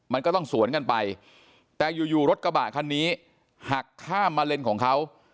มันก็ต้องสวนกันไปแต่อยู่อยู่รถกระบะคันนี้หักข้ามมาเลนของเขา